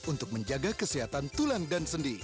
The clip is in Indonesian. untuk menjaga kesehatan tulang dan sendi